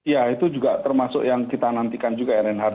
ya itu juga termasuk yang kita nantikan juga rnh